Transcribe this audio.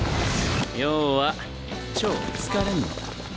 要は超疲れんの。